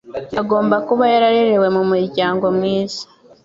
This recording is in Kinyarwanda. Agomba kuba yararerewe mumuryango mwiza.